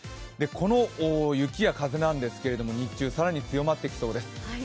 この雪や風なんですが、日中、更に強まってきそうです。